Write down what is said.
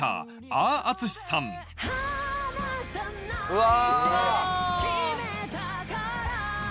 うわ！